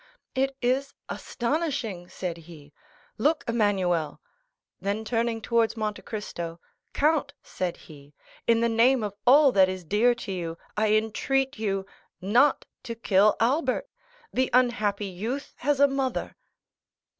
"It is astonishing," said he. "Look, Emmanuel." Then turning towards Monte Cristo, "Count," said he, "in the name of all that is dear to you, I entreat you not to kill Albert!—the unhappy youth has a mother."